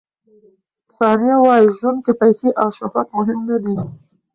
ثانیه وايي، ژوند کې پیسې او شهرت مهم نه دي.